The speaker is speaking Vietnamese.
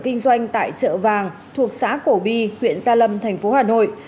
kinh doanh tại chợ vàng thuộc xã cổ bi huyện gia lâm thành phố hà nội